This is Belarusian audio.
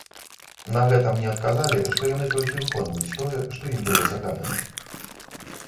На гэта мне адказалі, што яны толькі выконваюць тое, што ім было загадана.